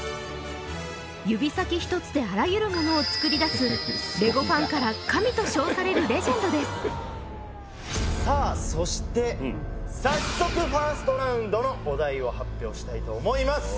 指先一つであらゆるものを作り出すレゴファンからさあそして早速ファーストラウンドのお題を発表したいと思います